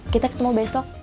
kita ketemu besok